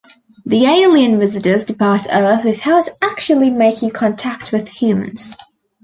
The alien visitors depart Earth without actually making contact with humans.